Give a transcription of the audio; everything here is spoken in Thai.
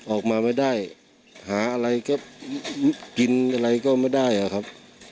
ออกมาไม่ได้หากินอะไรก็ไม่ได้ครับ